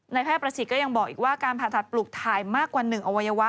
แพทย์ประสิทธิ์ก็ยังบอกอีกว่าการผ่าตัดปลูกถ่ายมากกว่า๑อวัยวะ